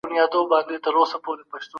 د افغانانو دې بریا څه اهمیت درلود؟